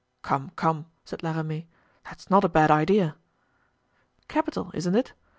"Come, come," said La Ramee, "that's not a bad idea." "Capital, isn't it?